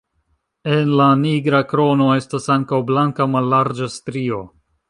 En la nigra krono estas ankaŭ blanka mallarĝa strio.